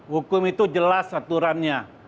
hukum itu jelas aturannya